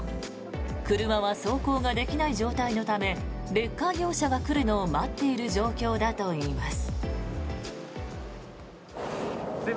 車は走行ができない状態のためレッカー業者が来るのを待っている状況だといいます。